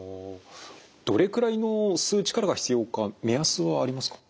どれくらいの吸う力が必要か目安はありますか？